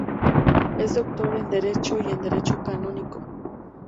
Es doctor en Derecho y en Derecho Canónico.